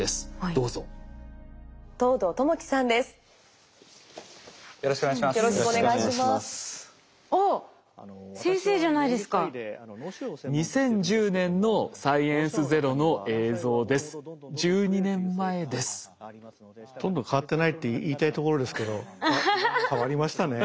ほとんど変わってないって言いたいところですけど変わりましたね。